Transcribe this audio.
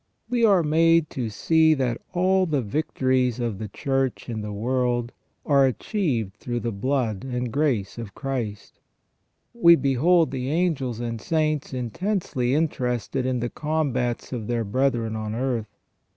We are made to see that all the victories of the Church in the world are achieved through the blood and the grace of Christ. We behold the angels and saints intensely interested in the combats of their brethren on earth.